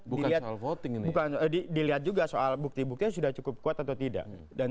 bukan soal voting ini kan jadi dilihat juga soal bukti buktinya sudah cukup kuat atau tidak dan